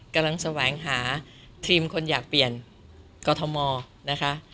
แสวงหาทีมคนอยากเปลี่ยนกรทมนะคะ